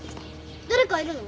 誰かいるの？